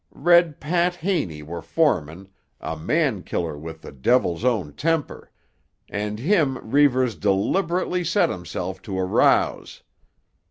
'Red Pat' Haney were foreman—a man killer with the devil's own temper; and him Reivers deeliberately set himself to arouse.